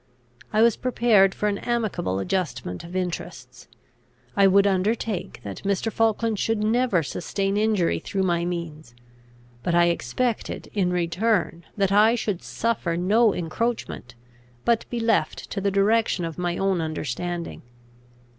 I was prepared for an amicable adjustment of interests: I would undertake that Mr. Falkland should never sustain injury through my means; but I expected in return that I should suffer no encroachment, but be left to the direction of my own understanding.